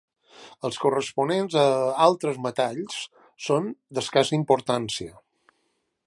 Els corresponents a altres metalls són d'escassa importància.